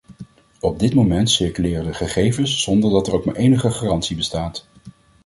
Op dit moment circuleren de gegevens zonder dat er ook maar enige garantie bestaat.